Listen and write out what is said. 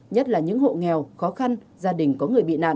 nhất là những hộ nghèo khó khăn gia đình có người bị nạn